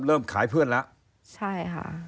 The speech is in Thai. เริ่มขายเพื่อนแล้วใช่ค่ะ